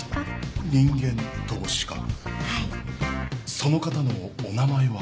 その方のお名前は？